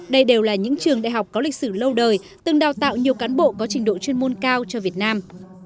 đây đều là những trường đại học có lịch sử lâu đời từng đào tạo nhiều cán bộ có trình độ chuyên môn cao cho việt nam